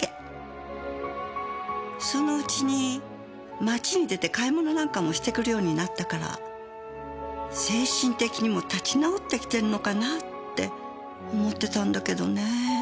そのうちに街に出て買い物なんかもしてくるようになったから精神的にも立ち直ってきてんのかなって思ってたんだけどね。